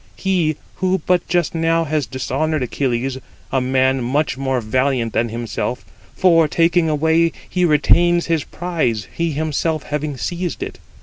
He, who but just now has dishonoured Achilles, a man much more valiant than himself; for, taking away, he retains his prize, he himself having seized it.